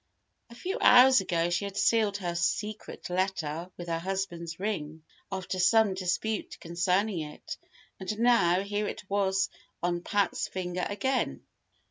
A few hours ago she had sealed her "secret letter" with her husband's ring, after some dispute concerning it. And now, here it was on Pat's finger again!